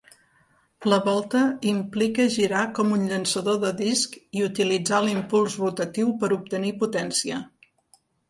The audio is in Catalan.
La volta implica girar com un llançador de disc i utilitzar l'impuls rotatiu per obtenir potència.